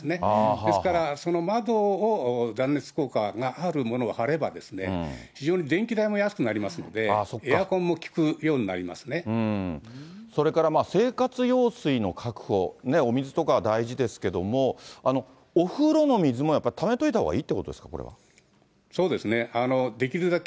ですから、その窓を断熱効果があるものを貼れば、非常に電気代も安くなりますので、エアコンも効それから生活用水の確保、お水とか大事ですけれども、お風呂の水もやっぱりためておいたほうがいいということですか、そうですね、できるだけ